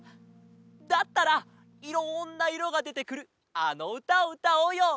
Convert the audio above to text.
だったらいろんないろがでてくるあのうたをうたおうよ！